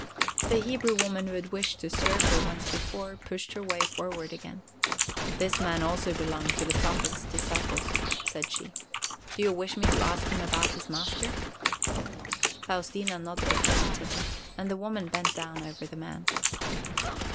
The Hebrew woman who had wished to serve her once before, pushed her way forward again. "This man also belonged to the Prophet's disciples," said she. "Do you wish me to ask him about his Master?" Faustina nodded affirmatively, and the woman bent down over the man.